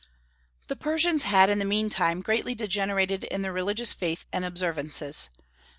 The Persians had in the mean time greatly degenerated in their religious faith and observances.